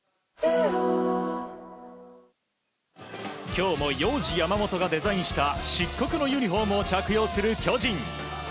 今日もヨウジヤマモトがデザインした漆黒のユニホームを着用する巨人。